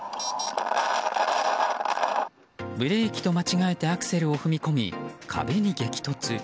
ブレーキと間違えてアクセルを踏み込み、壁に激突。